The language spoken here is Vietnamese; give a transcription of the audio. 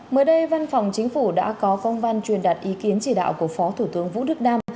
mới đây văn phòng chính phủ đã có công văn truyền đạt ý kiến chỉ đạo của phó thủ tướng vũ đức đam